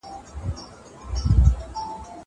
دا انځور له هغه ښکلی دی!